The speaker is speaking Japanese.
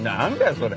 それ。